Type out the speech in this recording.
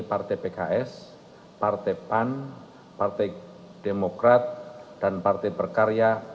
partai pks partai pan partai demokrat dan partai berkarya